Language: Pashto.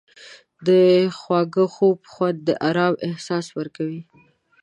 د خواږه خوب خوند د آرام احساس ورکوي.